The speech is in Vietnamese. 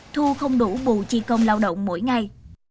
thu không đủ bù chi công lao động mỗi ngày